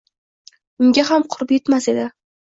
Unga ham qurbi yetmas edi.